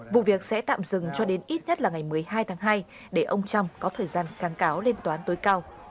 vụ việc sẽ tạm dừng cho đến ít nhất là ngày một mươi hai tháng hai để ông trump có thời gian kháng cáo lên toán tối cao